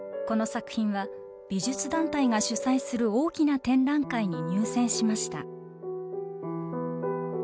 この作品は美術団体が主催する大きな展覧会に入選しました。